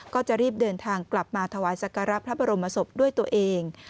ก็จะรีบเดินทางกลับมาถวายสักการะพระบรมศพด้วยตัวเอง